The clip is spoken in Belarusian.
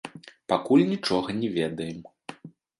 Пакуль нічога не ведаем.